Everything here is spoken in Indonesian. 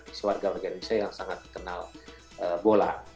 terus warga negara indonesia yang sangat kenal bola